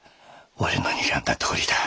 俺のにらんだとおりだ。